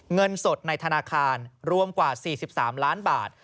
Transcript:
เงินสดในธนาคารรวมกว่า๔๓ล้านบาท